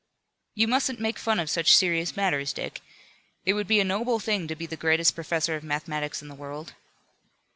"You mustn't make fun of such serious matters, Dick. It would be a noble thing to be the greatest professor of mathematics in the world."